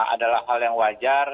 adalah hal yang wajar